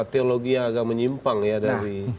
teologi yang agak menyimpang ya dari